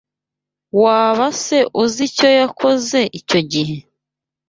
Waba se uzi icyo yakoze icyo gihe